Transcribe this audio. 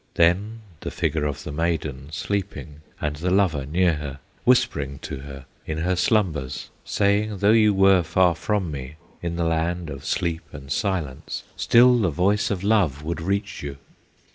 Then the figure of the maiden Sleeping, and the lover near her, Whispering to her in her slumbers, Saying, "Though you were far from me In the land of Sleep and Silence, Still the voice of love would reach you!"